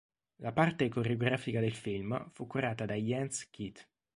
La parte coreografica del film fu curata da Jens Keith.